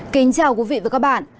kính chào quý vị và các bạn